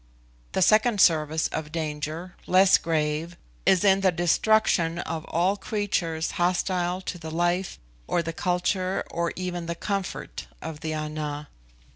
The second service of danger, less grave, is in the destruction of all creatures hostile to the life, or the culture, or even the comfort, of the Ana.